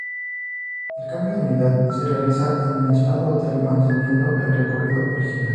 El cambio de unidad se realiza en el mencionado hotel, manteniendo el recorrido original.